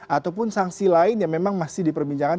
ataupun sanksi lain yang memang masih diperbincangkan